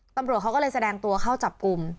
ตำรวจเขาก็เลยแสดงตัวเข้าจับกลุ่ม